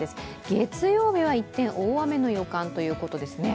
月曜日は一転、大雨の予感ということですね。